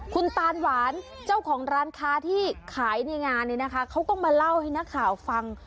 คุณตานหวานเจ้าของร้านค้าที่ขายในงานเนี่ยนะคะเขาก็มาเล่าให้นักข่าวฟัง